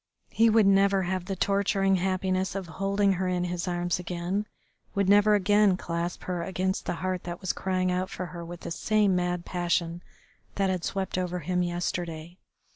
He would never have the torturing happiness of holding her in his arms again, would never again clasp her against the heart that was crying out for her with the same mad passion that had swept over him yesterday.